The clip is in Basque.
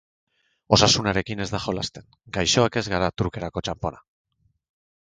Osasunarekin ez da jolasten, gaixoak ez gara trukerako txanpona.